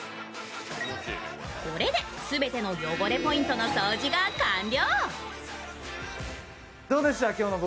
これで全ての汚れポイントの掃除が完了。